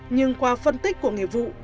nhưng qua phân tích của nghiệp vụ